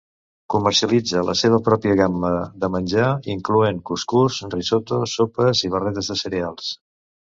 Comercialitza la seva pròpia gamma de menjar, incloent cuscús, risotto, sopes i barretes de cereals.